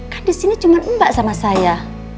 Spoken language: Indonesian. kan disini cuma mbak sama saya